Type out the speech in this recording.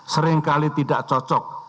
seringkali tidak cukup